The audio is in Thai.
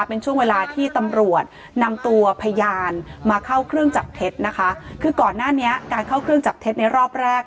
เป็นช่วงเวลาที่ตำรวจนำตัวพยานมาเข้าเครื่องจับเท็จนะคะคือก่อนหน้านี้การเข้าเครื่องจับเท็จในรอบแรก